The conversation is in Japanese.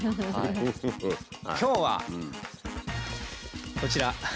今日はこちら。